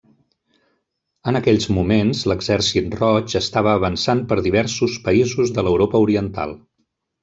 En aquells moments, l'Exèrcit Roig estava avançant per diversos països de l'Europa Oriental.